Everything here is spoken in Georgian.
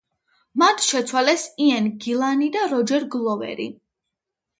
მათ შეცვალეს იენ გილანი და როჯერ გლოვერი.